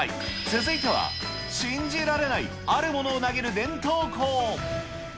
続いては、信じられない、あるものを投げる伝統校。